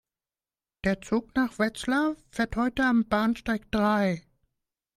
Der Zug nach Wetzlar fährt heute am Bahnsteig drei